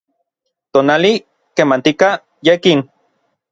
tonali, kemantika, yekin